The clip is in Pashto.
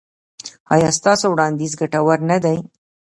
ایا ستاسو وړاندیز ګټور نه دی؟